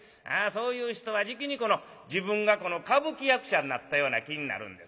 そういう人はじきに自分が歌舞伎役者になったような気になるんですな。